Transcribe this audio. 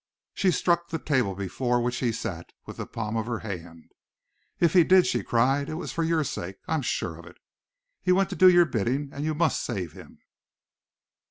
She struck the table before which he sat, with the palm of her hand. "If he did," she cried, "it was for your sake! I am sure of it! He went to do your bidding, and you must save him!"